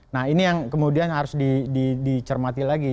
nah ini yang kemudian harus dicermati lagi